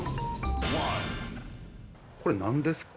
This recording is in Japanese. これなんですか？